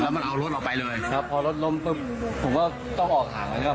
มันเอารถออกไปเลยครับพอรถล้มปุ๊บผมก็ต้องออกห่างนะครับ